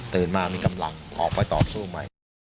ตื่นมามีกำลังออกไปต่อสู้ไหม